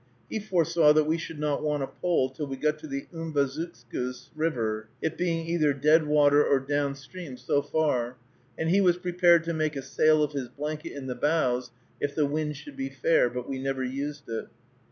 He foresaw that we should not want a pole till we reached the Umbazookskus River, it being either deadwater or down stream so far, and he was prepared to make a sail of his blanket in the bows if the wind should be fair; but we never used it.